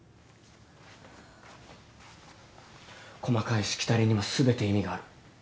細かいしきたりにも全て意味がある。